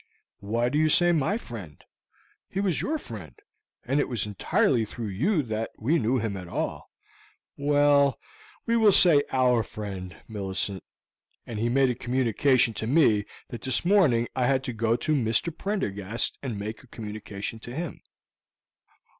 "Why do you say my friend? He was your friend, and it was entirely through you that we knew him at all." "Well, we will say 'our friend,' Millicent; and he made a communication to me that this morning I had to go to Mr. Prendergast and make a communication to him."